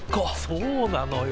そうなのよ。